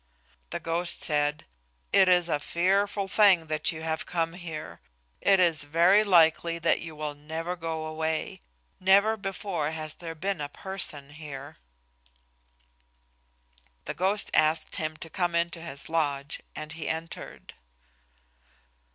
The ghost said, "It is a fearful thing that you have come here; it is very likely that you will never go away. Never before has there been a person here." The ghost asked him to come into his lodge, and he entered.